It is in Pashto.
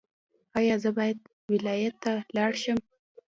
ایا زه باید ولایت ته لاړ شم؟